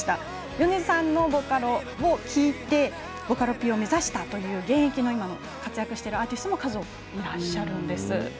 米津さんの曲を聴いてボカロＰを目指したという現役の今、活躍しているアーティストも数多くいらっしゃるんです。